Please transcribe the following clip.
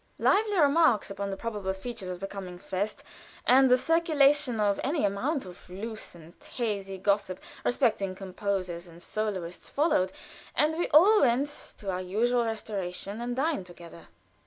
Lively remarks upon the probable features of the coming fest, and the circulation of any amount of loose and hazy gossip respecting composers and soloists followed, and we all went to our usual restauration and dined together.